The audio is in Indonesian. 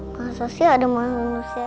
masa sih ada manusia